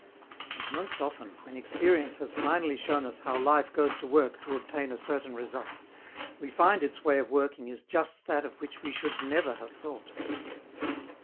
And most often, when experience has finally shown us how life goes to work to obtain a certain result, we find its way of working is just that of which we should never have thought.